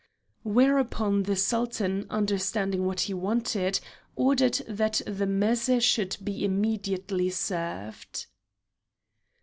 Whereupon the Sultan understanding what he wanted, ordered that the mézé should be immediately served.